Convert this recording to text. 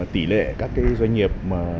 tỷ lệ các doanh nghiệp